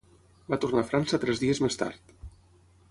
Va tornar a França tres dies més tard.